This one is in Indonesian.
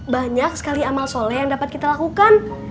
banyak sekali amal soleh yang dapat kita lakukan